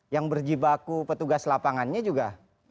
yang berjibaku petugas lapangannya juga